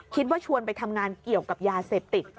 คิดว่าชวนไปทำงานเกี่ยวกับยาเซปติก